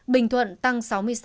bình thuận tăng sáu mươi sáu